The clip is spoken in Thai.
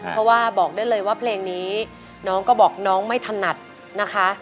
เพราะว่าบอกได้เลยว่าเพลงนี้น้องก็บอกน้องไม่ถนัดนะคะ